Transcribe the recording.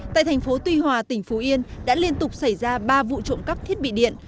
tại tp tuy hòa tỉnh phú yên đã liên tục xảy ra ba vụ trộm cắp thiết bị điện